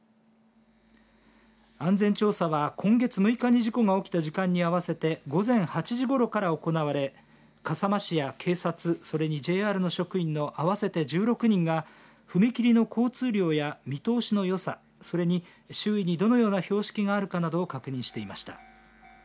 安全調査は、今月６日に事故が起きた時間に合わせて午前８時ごろから行われ笠間市や警察、それにＪＲの職員の合わせて１６人が踏切の交通量や見通しのよさそれに周囲にどのような標識があるかなどを確認していました。